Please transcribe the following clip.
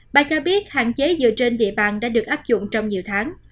bà cho biết hạn chế dựa trên địa bàn đã được áp dụng trong nhiều tháng